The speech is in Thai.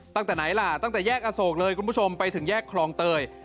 ตั้งแต่ไหนล่ะตั้งแต่แยกอโศกเลยคุณผู้ชมไปถึงแยกคลองเตย